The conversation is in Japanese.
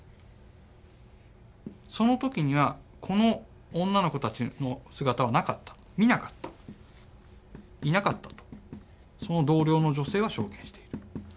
その時にはこの女の子たちの姿はなかった見なかったいなかったとその同僚の女性は証言している。